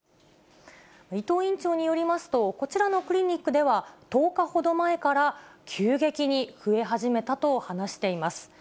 いとう院長によりますと、こちらのクリニックでは、１０日ほど前から急激に増え始めたと話しています。